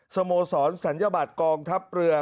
สโมสรศัลยบัตรกองทัพเรือ